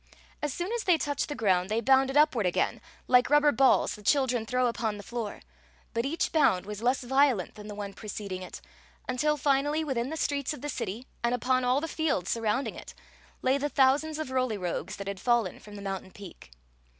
As soon as they touched the ground they bounded upward again, like rubber balls the children throw upon the floor; but each bound was less violent than the one preceding it, until finally within the streets of the city and upon all the fields surrounding it lay the thousands of Roly Rogues that had fallen from the mountain peak.